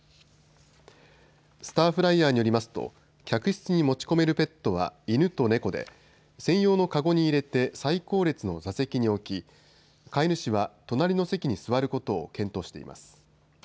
スターフライヤーによりますと客室に持ち込めるペットは犬と猫で専用の籠に入れて最後列の座席に置き飼い主は隣の席に座ることを検討しています。